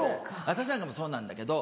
私なんかもそうなんだけど。